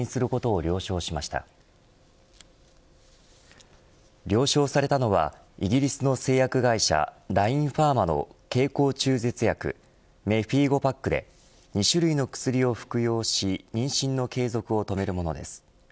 了承されたのはイギリスの製薬会社ラインファーマの経口中絶薬メフィーゴパックで２種類の薬を服用し妊娠の継続を止めるものです。